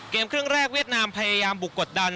เกมครึ่งแรกเวียดนามพยายามบุกกดดัน